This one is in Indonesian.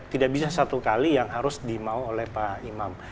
tidak bisa satu kali yang harus dimau oleh pak imam